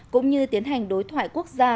cũng như tiến hành đối thoại quốc gia